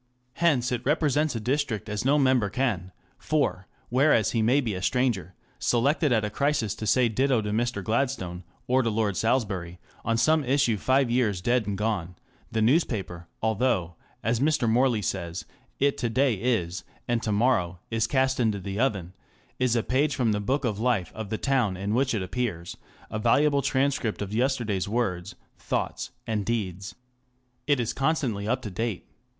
Hence it represents a district as no member can, for, whereas he may be a stranger, selected at a crisis to say ditto to Mr. Gladstone or to Lord Salisbury on some issue five years dead and gone, the newspaper ŌĆö although, as Mr. Morley says, it to day is and to morrow is cast into the oven ŌĆö is a page from the book of the life of the town in which it appears, a valuable transcript of yesterday's words, thoughts, and deeds. It is constantly up to date.